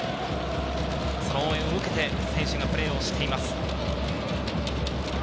その応援を受けて選手がプレーをしています。